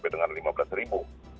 dengan lima belas ribu